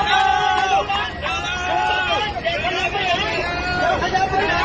อย่าอย่าอย่าอย่าอย่าอย่าอย่าอย่าอย่าอย่าอย่าอย่าอย่าอย่าอย่า